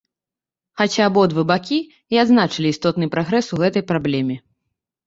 Хаця абодва бакі і адзначылі істотны прагрэс у гэтай праблеме.